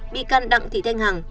bị căn đặng thị thanh hằng